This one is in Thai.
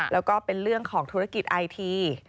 แล้วก็เป็นเรื่องของธุรกิจไอที